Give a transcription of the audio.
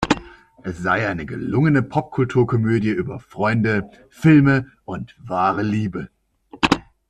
Es sei eine gelungene Popkultur-Komödie über Freunde, Filme und wahre Liebe.